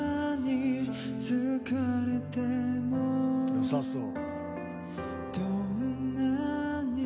よさそう。